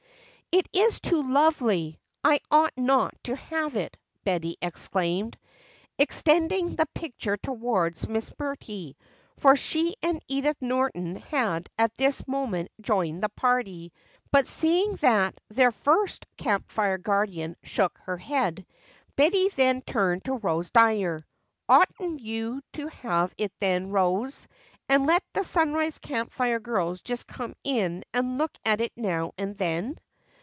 "It is too lovely; I ought not to have it," Betty exclaimed, extending her picture toward Miss McMurtry, for she and Edith Norton had at this moment joined the party; but seeing that their first Camp Fire guardian shook her head, Betty then turned to Rose Dyer. "Oughtn't you to have it then, Rose, and let the Sunrise Camp Fire girls just come in and look at it now and then?"